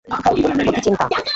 প্রতিচিন্তা